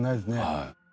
はい。